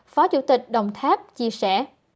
phó chủ tịch đồng tháp chia sẻ